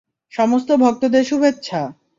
সমস্ত ভক্তদের শুভেচ্ছা!